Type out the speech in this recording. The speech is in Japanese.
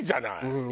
うん。